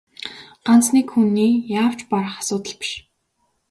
Ганц нэг хүний яавч барах асуудал биш.